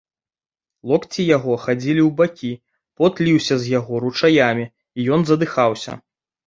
Локці яго хадзілі ў бакі, пот ліўся з яго ручаямі, і ён задыхаўся.